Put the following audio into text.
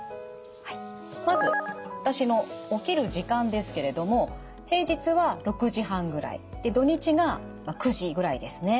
まず私の起きる時間ですけれども平日は６時半ぐらいで土日が９時ぐらいですね。